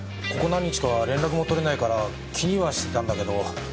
ここ何日かは連絡も取れないから気にはしてたんだけど。